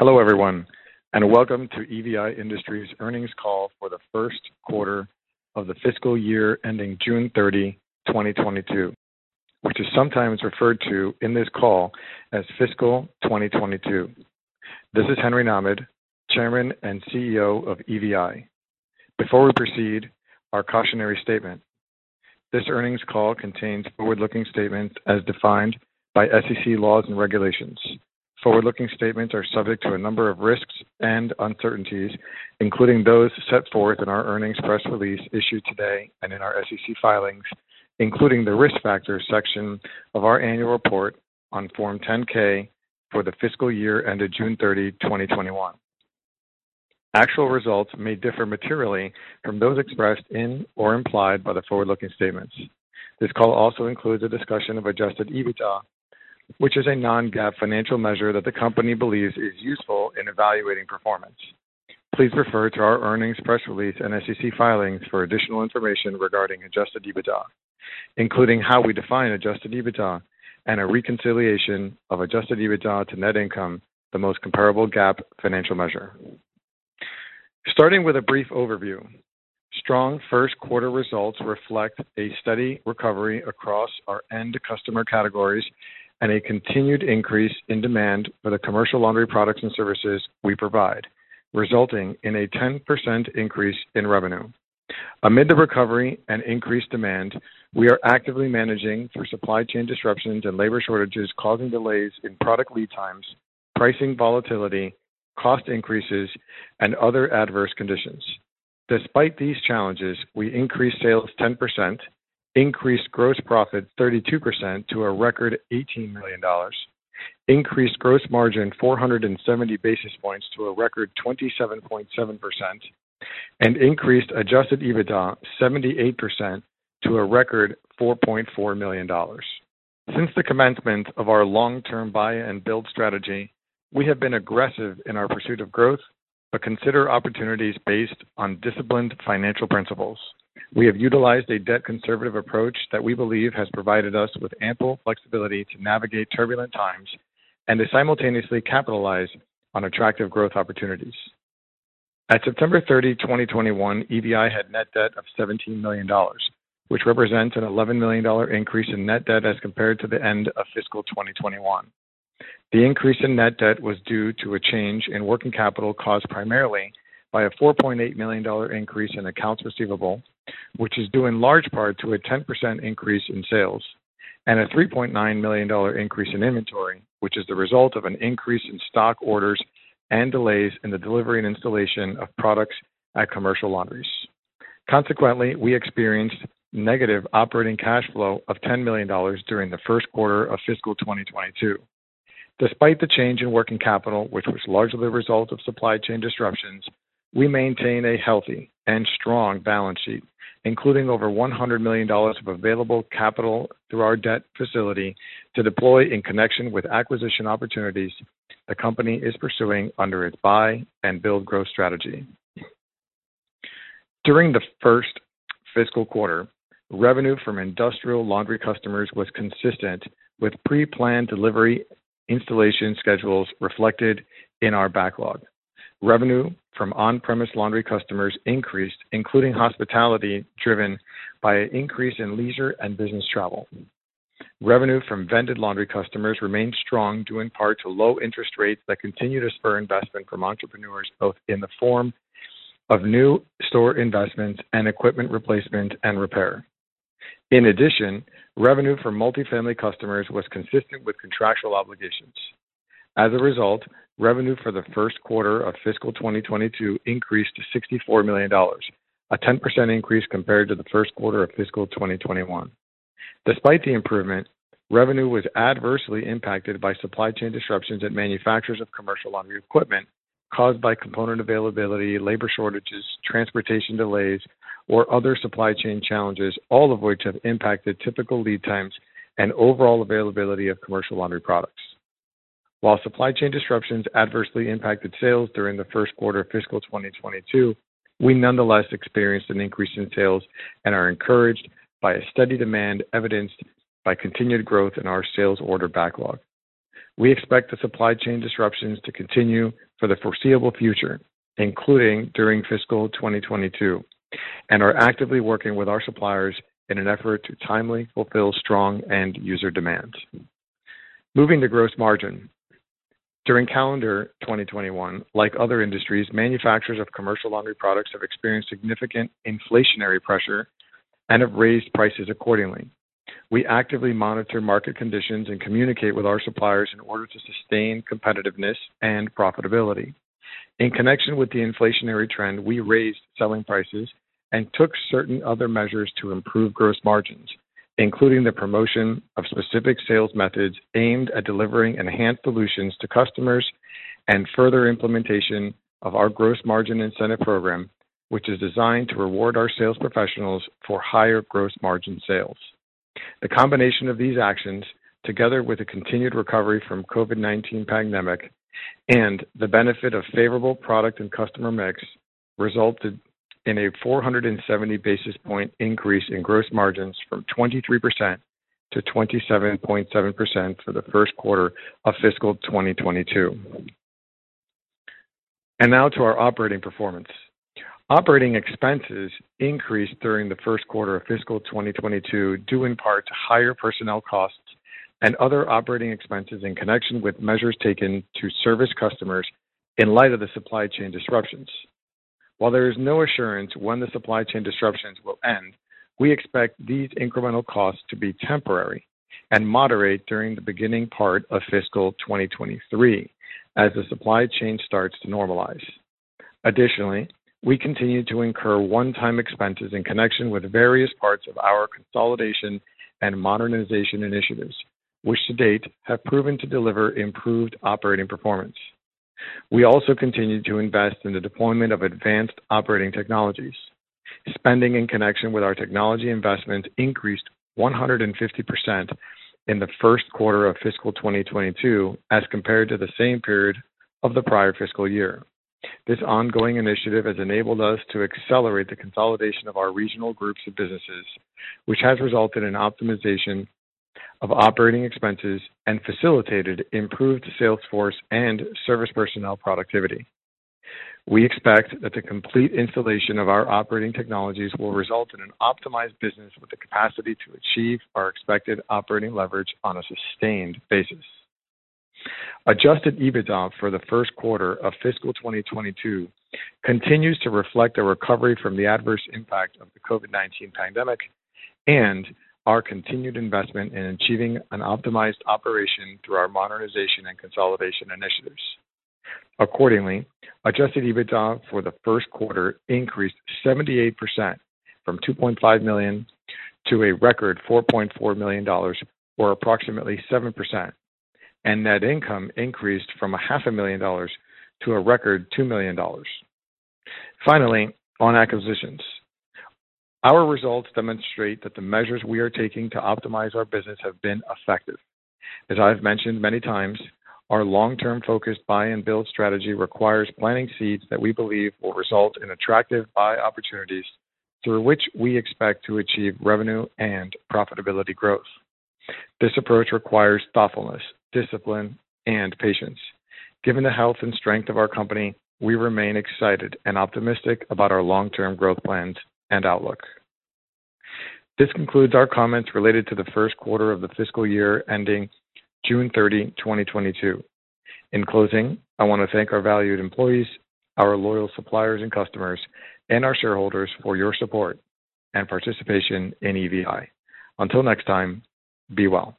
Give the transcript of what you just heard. Hello, everyone, and welcome to EVI Industries' earnings call for the first quarter of the fiscal year ending June 30, 2022, which is sometimes referred to in this call as fiscal 2022. This is Henry Nahmad, Chairman and CEO of EVI. Before we proceed, our cautionary statement. This earnings call contains forward-looking statements as defined by SEC laws and regulations. Forward-looking statements are subject to a number of risks and uncertainties, including those set forth in our earnings press release issued today and in our SEC filings, including the Risk Factors section of our annual report on Form 10-K for the fiscal year ended June 30, 2021. Actual results may differ materially from those expressed in or implied by the forward-looking statements. This call also includes a discussion of adjusted EBITDA, which is a non-GAAP financial measure that the company believes is useful in evaluating performance. Please refer to our earnings press release and SEC filings for additional information regarding adjusted EBITDA, including how we define adjusted EBITDA and a reconciliation of adjusted EBITDA to net income, the most comparable GAAP financial measure. Starting with a brief overview, strong first quarter results reflect a steady recovery across our end customer categories and a continued increase in demand for the commercial laundry products and services we provide, resulting in a 10% increase in revenue. Amid the recovery and increased demand, we are actively managing through supply chain disruptions and labor shortages causing delays in product lead times, pricing volatility, cost increases, and other adverse conditions. Despite these challenges, we increased sales 10%, increased gross profit 32% to a record $18 million, increased gross margin 470 basis points to a record 27.7%, and increased adjusted EBITDA 78% to a record $4.4 million. Since the commencement of our long-term buy-and-build strategy, we have been aggressive in our pursuit of growth, but consider opportunities based on disciplined financial principles. We have utilized a debt-conservative approach that we believe has provided us with ample flexibility to navigate turbulent times and to simultaneously capitalize on attractive growth opportunities. At September 30, 2021, EVI had net debt of $17 million, which represents an $11 million increase in net debt as compared to the end of fiscal 2021. The increase in net debt was due to a change in working capital caused primarily by a $4.8 million increase in accounts receivable, which is due in large part to a 10% increase in sales and a $3.9 million increase in inventory, which is the result of an increase in stock orders and delays in the delivery and installation of products at commercial laundries. Consequently, we experienced negative operating cash flow of $10 million during the first quarter of fiscal 2022. Despite the change in working capital, which was largely the result of supply chain disruptions, we maintain a healthy and strong balance sheet, including over $100 million of available capital through our debt facility to deploy in connection with acquisition opportunities the company is pursuing under its buy-and-build growth strategy. During the first fiscal quarter, revenue from industrial laundry customers was consistent with pre-planned delivery installation schedules reflected in our backlog. Revenue from on-premise laundry customers increased, including hospitality, driven by an increase in leisure and business travel. Revenue from vended laundry customers remained strong, due in part to low interest rates that continue to spur investment from entrepreneurs, both in the form of new store investments and equipment replacement and repair. In addition, revenue from multi-family customers was consistent with contractual obligations. As a result, revenue for the first quarter of fiscal 2022 increased to $64 million, a 10% increase compared to the first quarter of fiscal 2021. Despite the improvement, revenue was adversely impacted by supply chain disruptions at manufacturers of commercial laundry equipment caused by component availability, labor shortages, transportation delays, or other supply chain challenges, all of which have impacted typical lead times and overall availability of commercial laundry products. While supply chain disruptions adversely impacted sales during the first quarter of fiscal 2022, we nonetheless experienced an increase in sales and are encouraged by a steady demand evidenced by continued growth in our sales order backlog. We expect the supply chain disruptions to continue for the foreseeable future, including during fiscal 2022, and are actively working with our suppliers in an effort to timely fulfill strong end user demand. Moving to gross margin. During calendar 2021, like other industries, manufacturers of commercial laundry products have experienced significant inflationary pressure and have raised prices accordingly. We actively monitor market conditions and communicate with our suppliers in order to sustain competitiveness and profitability. In connection with the inflationary trend, we raised selling prices and took certain other measures to improve gross margins, including the promotion of specific sales methods aimed at delivering enhanced solutions to customers and further implementation of our Gross Margin Incentive Program, which is designed to reward our sales professionals for higher gross margin sales. The combination of these actions, together with a continued recovery from COVID-19 pandemic and the benefit of favorable product and customer mix resulted in a 470 basis point increase in gross margins from 23% to 27.7% for the first quarter of fiscal 2022. Now to our operating performance. Operating expenses increased during the first quarter of fiscal 2022, due in part to higher personnel costs and other operating expenses in connection with measures taken to service customers in light of the supply chain disruptions. While there is no assurance when the supply chain disruptions will end, we expect these incremental costs to be temporary and moderate during the beginning part of fiscal 2023 as the supply chain starts to normalize. Additionally, we continue to incur one-time expenses in connection with various parts of our consolidation and modernization initiatives, which to date have proven to deliver improved operating performance. We also continue to invest in the deployment of advanced operating technologies. Spending in connection with our technology investments increased 150% in the first quarter of fiscal 2022 as compared to the same period of the prior fiscal year. This ongoing initiative has enabled us to accelerate the consolidation of our regional groups of businesses, which has resulted in optimization of operating expenses and facilitated improved sales force and service personnel productivity. We expect that the complete installation of our operating technologies will result in an optimized business with the capacity to achieve our expected operating leverage on a sustained basis. Adjusted EBITDA for the first quarter of fiscal 2022 continues to reflect a recovery from the adverse impact of the COVID-19 pandemic and our continued investment in achieving an optimized operation through our modernization and consolidation initiatives. Accordingly, adjusted EBITDA for the first quarter increased 78% from $2.5 million to a record $4.4 million, or approximately 7%, and net income increased from half a million dollars to a record $2 million. Finally, on acquisitions. Our results demonstrate that the measures we are taking to optimize our business have been effective. As I've mentioned many times, our long-term focused buy-and-build strategy requires planting seeds that we believe will result in attractive buy opportunities through which we expect to achieve revenue and profitability growth. This approach requires thoughtfulness, discipline, and patience. Given the health and strength of our company, we remain excited and optimistic about our long-term growth plans and outlook. This concludes our comments related to the first quarter of the fiscal year ending June 30, 2022. In closing, I want to thank our valued employees, our loyal suppliers and customers, and our shareholders for your support and participation in EVI. Until next time, be well.